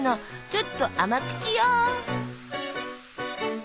ちょっと甘口よ。